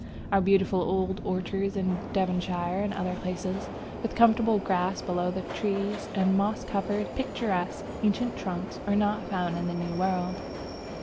Our beautiful old orchards in Devonshire and other places, with comfortable grass below the trees, and moss covered, picturesque, ancient trunks, are not found in the New World.